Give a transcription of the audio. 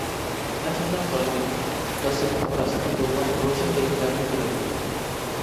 مەن شۇنداق قارايمەن: پەلسەپە پاراسەتكە تولغان روشەن بىلىملەرنى بېرىدۇ.